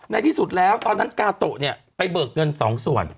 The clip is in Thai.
ในที่สุดแล้วตอนนั้นกาโตะเนี่ยไปเบิกเงิน๒ส่วน